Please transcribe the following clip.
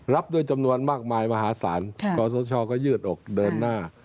รับด้วยจำนวนมากมายมหาศาลกศชก็ยืดอกเดินหน้า